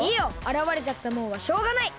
あらわれちゃったもんはしょうがない。